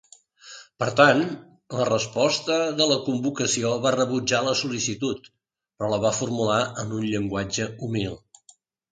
Per tant, la resposta de la Convocació va rebutjar la sol·licitud però la va formular en un llenguatge humil.